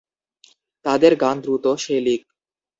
তাদের গান দ্রুত "সে-লিক"।